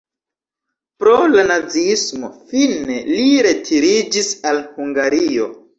Pro la naziismo fine li retiriĝis al Hungario.